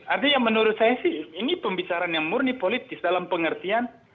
artinya menurut saya sih ini pembicaraan yang murni politis dalam pengertian